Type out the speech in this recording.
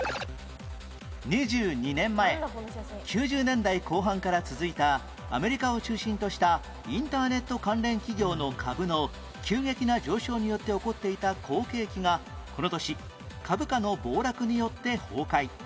２２年前９０年代後半から続いたアメリカを中心としたインターネット関連企業の株の急激な上昇によって起こっていた好景気がこの年株価の暴落によって崩壊